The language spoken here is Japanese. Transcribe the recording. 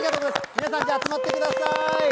皆さん、じゃあ、集まってください。